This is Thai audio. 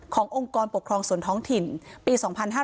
องค์กรปกครองส่วนท้องถิ่นปี๒๕๕๙